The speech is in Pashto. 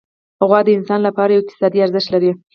غوا د انسان لپاره یو اقتصادي ارزښت لري.